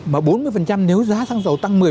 mà bốn mươi nếu giá răng dầu tăng một mươi ấy